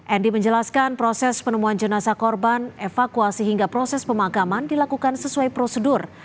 endi menjelaskan proses penemuan jenazah korban evakuasi hingga proses pemakaman dilakukan sesuai prosedur